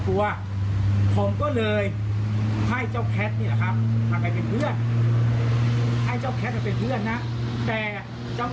แค่เราบอกให้เจ้าแคทเนี่ยไปเป็นเพื่อนน้องทานายสองคนนั้น